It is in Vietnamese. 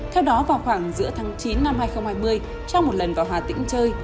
theo đó vào khoảng giữa tháng chín năm hai nghìn hai mươi trong một lần vào hà tĩnh chơi